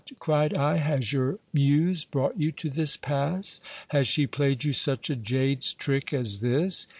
cried I, has your muse brought you to this pass? Has she played you such a jade's trick as this